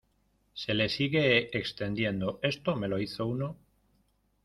se le sigue extendiendo. esto me lo hizo uno